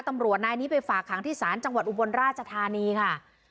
ตำรวจนายนี้ไปฝากขังที่ศาลจังหวัดอุบลราชธานีค่ะ